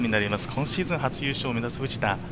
今シーズン初優勝を目指す藤田。